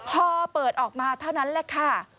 พอเปิดออกมาเท่านั้นแหละค่ะ